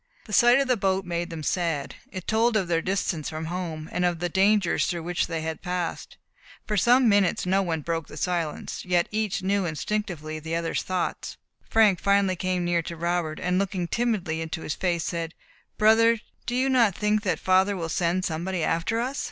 The sight of the boat made them sad. It told of their distance from home, and of the dangers through which they had passed. For some minutes no one broke the silence; yet each knew instinctively the other's thoughts. Frank finally came near to Robert, and looking timidly into his face, said, "Brother, do you not think that father will send somebody after us?"